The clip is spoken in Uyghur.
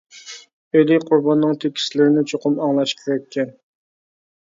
ئېلى قۇرباننىڭ تېكىستلىرىنى چوقۇم ئاڭلاش كېرەككەن.